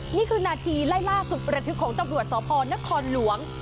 นี่คือหน้าที่ไล่ล่าสุขระชุดของตรวจสนครหลวง